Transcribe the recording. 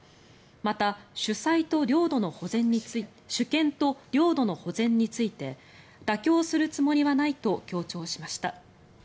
また、主権と領土の保全について妥協するつもりはないと強調しました。